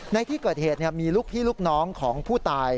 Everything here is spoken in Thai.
ในที่เกิดเหตุมีลูกพี่ลูกน้องของผู้ตาย